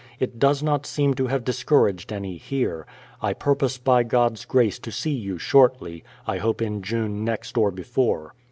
It does not seem to have discouraged any here. I purpose by God's grace to see you shortly, I hope in June next or before.